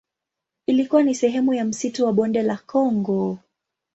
Ilikuwa ni sehemu ya msitu wa Bonde la Kongo.